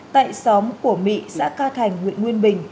tại xóm của mị xã ca thành huyện nguyên bình